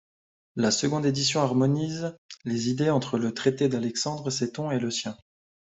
La seconde édition harmonise les idées entre le traité d'Alexandre Seton et le sien.